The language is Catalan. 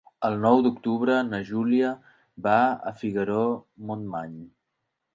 El nou d'octubre na Júlia va a Figaró-Montmany.